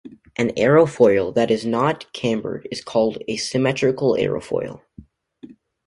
An aerofoil that is not cambered is called a "symmetrical" aerofoil.